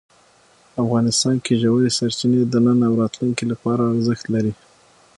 افغانستان کې ژورې سرچینې د نن او راتلونکي لپاره ارزښت لري.